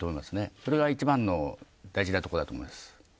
それが一番の大事なところだと思います。